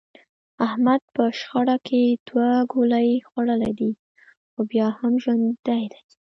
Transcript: احمد په شخړه کې دوه ګولۍ خوړلې دي، خو بیا هم ژوندی دی.